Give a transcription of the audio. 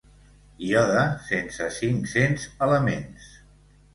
Iode sense cinc-cents elements.